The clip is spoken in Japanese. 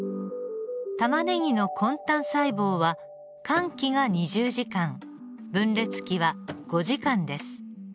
タマネギの根端細胞は間期が２０時間分裂期は５時間です。